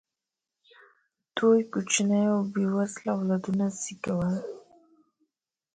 دوی کوچني او بې وزله اولادونه زېږول.